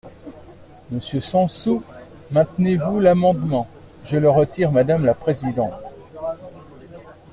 Monsieur Sansu, maintenez-vous l’amendement ? Je le retire, madame la présidente.